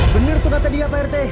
benar tuh kata dia pak rt